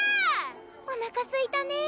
おなかすいたね